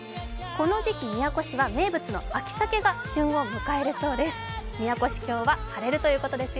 この時期宮古市は名物の秋鮭が旬を迎えるそうです。